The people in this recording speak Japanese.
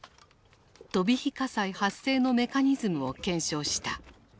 飛び火火災発生のメカニズムを検証した。